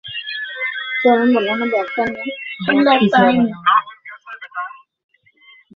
একটি উন্নয়ন দলকে একাধিক উপায়ে একসাথে রাখা যেতে পারে।